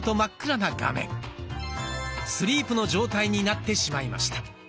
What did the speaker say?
スリープの状態になってしまいました。